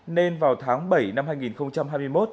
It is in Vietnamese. nên vào tháng bảy năm hai nghìn hai mươi một